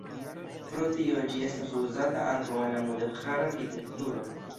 Pro tio, ĝi estas uzata ankaŭ en la mudeĥara arkitekturo.